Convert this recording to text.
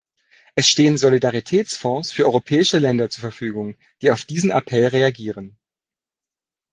Es stehen Solidaritätsfonds für europäische Länder zur Verfügung, die auf diesen Appell reagieren.